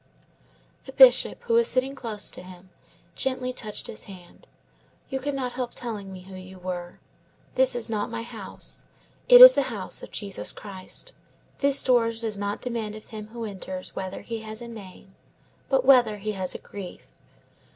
The Bishop, who was sitting close to him, gently touched his hand. "You could not help telling me who you were. This is not my house; it is the house of Jesus Christ. This door does not demand of him who enters whether he has a name, but whether he has a grief.